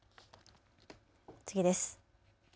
次です。